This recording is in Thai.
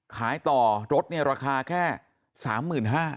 ขายต่อรถเนี่ยราคาแค่๓๕๐๐บาท